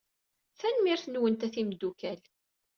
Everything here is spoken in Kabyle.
Tanemmirt-nwent a timeddukal.